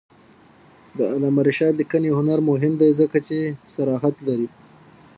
د علامه رشاد لیکنی هنر مهم دی ځکه چې صراحت لري.